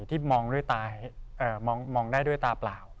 ที่มองได้ด้วยตาเปล่า